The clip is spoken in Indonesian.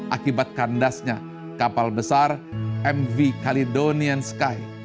akibat kandasnya kapal besar mv calidonian sky